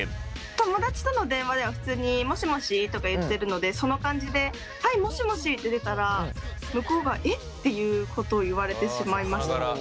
友達との電話では普通にもしもしとか言ってるのでその感じで「はいもしもし」って出たら向こうが「え？」っていうことを言われてしまいました。